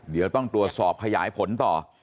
เดี๋ยวต้องตรวจสอบขยายผลต่อ